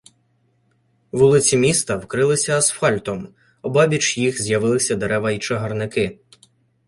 Вулиці міста вкрилися асфальтом, обабіч їх з'явилися дерева й чагарники.